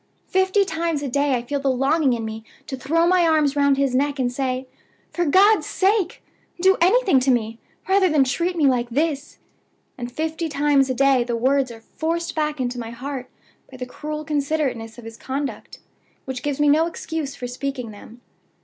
Fifty times a day I feel the longing in me to throw my arms round his neck, and say: 'For God's sake, do anything to me, rather than treat me like this!' and fifty times a day the words are forced back into my heart by the cruel considerateness of his conduct; which gives me no excuse for speaking them.